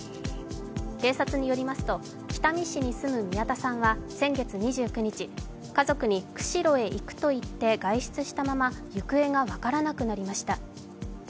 警察によりますと、北見市に住む宮田さんは先月２９日、家族に、釧路へ行くと言って外出したまま行方が分からなくなりました。